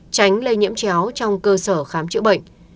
tránh lây nhiễm chéo trong cơ sở khám chữa bệnh